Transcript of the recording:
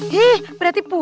hih berarti punya